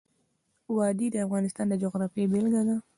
وادي د افغانستان د جغرافیې بېلګه ده.